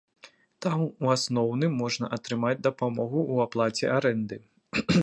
Там у асноўным можна атрымаць дапамогу ў аплаце арэнды.